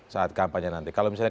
saat kampanye nanti kalau misalnya